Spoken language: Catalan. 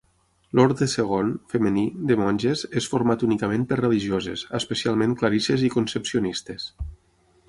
L'orde segon, femení, de monges, és format únicament per religioses, especialment clarisses i concepcionistes.